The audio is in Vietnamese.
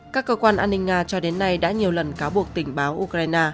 các cơ quan an ninh nga cho đến nay đã nhiều lần cáo buộc tình báo ukraine